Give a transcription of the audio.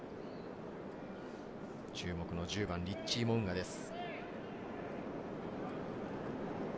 注目の１０番、リッチー・モウンガです。